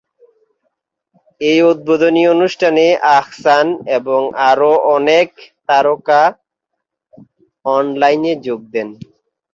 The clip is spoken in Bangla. এই উদ্বোধনী অনুষ্ঠানে জয়া আহসান এবং আরো অনেক তারকা অনলাইনে যোগ দেন।